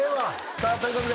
さあということで。